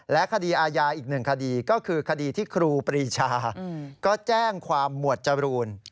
คดีอาญาอีกหนึ่งคดีก็คือคดีที่ครูปรีชาก็แจ้งความหมวดจรูน